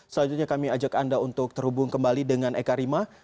selanjutnya kami ajak anda untuk terhubung kembali dengan eka rima